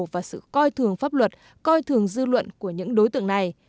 và sự coi thường pháp luật coi thường dư luận của những đối tượng này